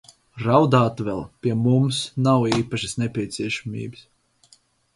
Raudāt vēl - pie mums - nav īpašas nepieciešamības.